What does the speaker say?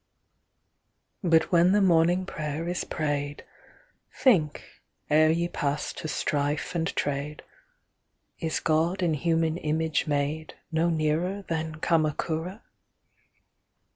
But when the morning prayer is prayed, Think, ere ye pass to strife and trade, Is God in human image madeNo nearer than Kamakura?